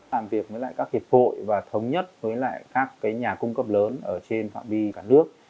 làm việc với lại các hiệp hội và thống nhất với lại các nhà cung cấp lớn ở trên phạm vi cả nước